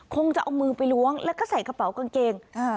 คงจะเอามือไปล้วงแล้วก็ใส่กระเป๋ากางเกง